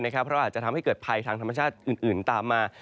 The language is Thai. เพราะว่าอาจจะทำให้เกิดภัยทางธรรมชาติอื่นตามมา